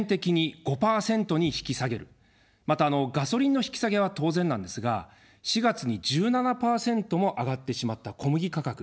また、ガソリンの引き下げは当然なんですが、４月に１７％も上がってしまった小麦価格。